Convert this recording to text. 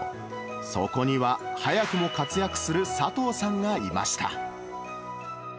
そこには、早くも活躍する佐藤さんがいました。